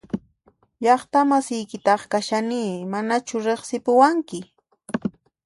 Llaqta masiykitaq kashani ¿Manachu riqsipuwanki?